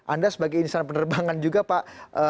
anda sebagai insan penerbangan juga pak